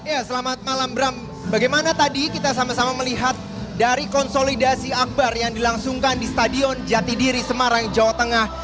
ya selamat malam bram bagaimana tadi kita sama sama melihat dari konsolidasi akbar yang dilangsungkan di stadion jatidiri semarang jawa tengah